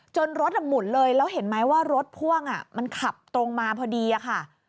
รถหมุนเลยแล้วเห็นไหมว่ารถพ่วงมันขับตรงมาพอดีค่ะ